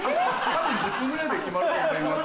多分１０分ぐらいで決まると思います。